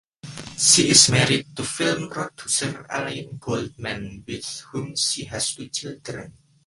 She is married to film producer Alain Goldman with whom she has two children.